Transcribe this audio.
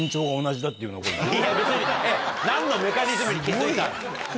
いや別に何のメカニズムに気付いた。